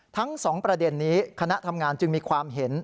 ทั้ง๒ประเด็นนี้คณะทำงานจึงมีความเห็น